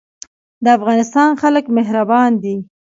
د افغانستان خلک مهربان دي